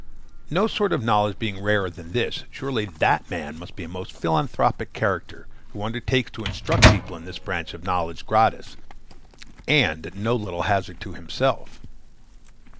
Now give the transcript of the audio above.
No sort of knowledge being rarer than this, surely that man must be a most philanthropic character, who undertakes to instruct people in this branch of knowledge gratis, and at no little hazard to himself.